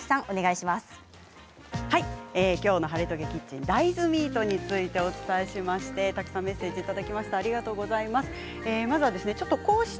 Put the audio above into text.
きょうの「ハレトケキッチン」大豆ミートについてお伝えしまして、たくさんメッセージいただきました。